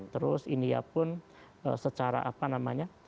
terus india pun secara apa namanya